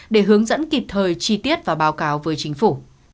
để hướng dẫn kịp thời chi tiết và báo cáo với chính phủ